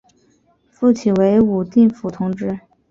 复起为武定府同知。